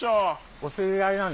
お知り合いなの？